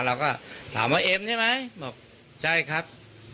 เราก็ถามว่าเอ็มใช่ไหมบอกใช่ครับ